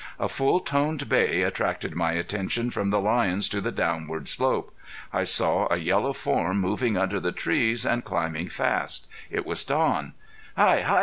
A full toned bay attracted my attention from the lions to the downward slope. I saw a yellow form moving under the trees and climbing fast. It was Don. "Hi! Hi!